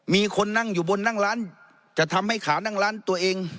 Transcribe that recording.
มีคนนั่งอยู่บนนั่งร้านจะทำให้ขานั่งร้านตัวเอง